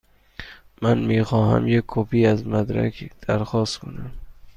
من می خواهم یک کپی از مدرک درخواست کنم.